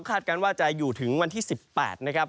การว่าจะอยู่ถึงวันที่๑๘นะครับ